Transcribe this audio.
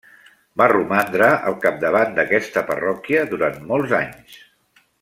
Va romandre al capdavant d'aquesta parròquia durant molts anys.